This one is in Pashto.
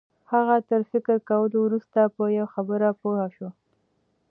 هغه تر فکر کولو وروسته په یوه خبره پوه شو